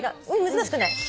難しくない。